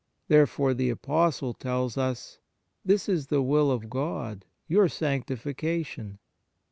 Therefore the Apostle tells us: " This is the will of God, your sanctification.